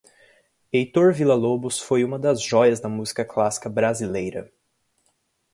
Heitor Villa-Lobos foi uma das joias da música clássica brasileira